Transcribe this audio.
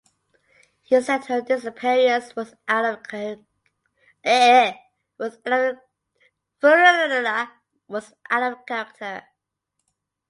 He said her disappearance was out of character.